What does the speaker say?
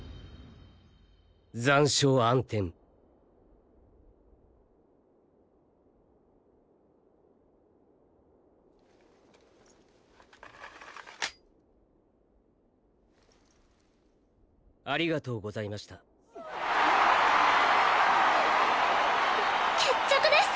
残照暗転ありがとうございました決着です